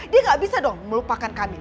dia gak bisa dong melupakan kami